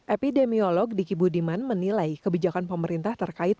epidemiolog diki budiman menilai kebijakan pemerintah terkait